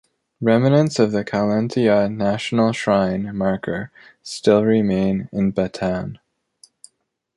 Remnants of the Kalantiaw National Shrine marker still remain in Batan.